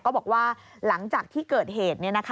บอกว่าหลังจากที่เกิดเหตุ